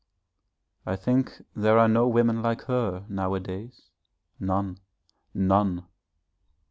I think there are no women like her now a days none, none!